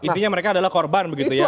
intinya mereka adalah korban begitu ya